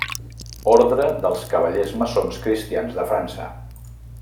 Ordre dels Cavallers Maçons Cristians de França.